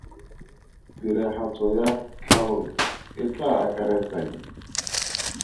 Tiragatso ya tlhaolo e tla akaretsa eng?